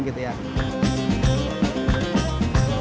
masjid baitur rahman